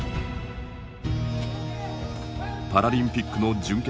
パラリンピックの準決勝。